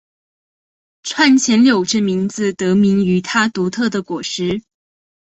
串钱柳这名字得名于它独特的果实。